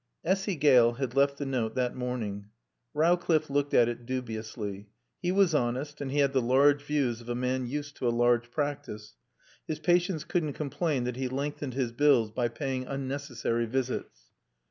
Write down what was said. Essy Gale had left the note that morning. Rowcliffe looked at it dubiously. He was honest and he had the large views of a man used to a large practice. His patients couldn't complain that he lengthened his bills by paying unnecessary visits.